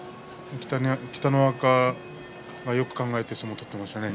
北の若はよく考えて相撲を取りました。